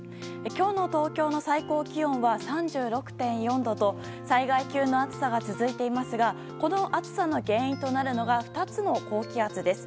今日の東京の最高気温は３６．４度と災害級の暑さが続いていますがこの暑さの原因となるのが２つの高気圧です。